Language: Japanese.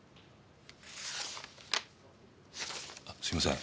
あっすいません。